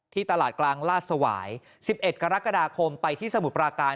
ตลาดกลางลาดสวาย๑๑กรกฎาคมไปที่สมุทรปราการ